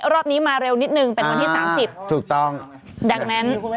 รอบนี้มาเร็วนิดหนึ่งเป็นวันที่๓๐ดังนั้น